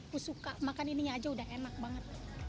aku suka makan ininya aja udah enak banget